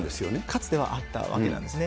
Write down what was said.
かつてはあったわけなんですね。